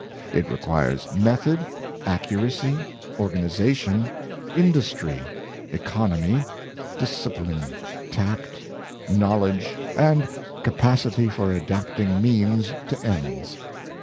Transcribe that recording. It requires method, accuracy, organization, industry, economy, discipline, tact, knowledge, and capacity for adapting means to ends.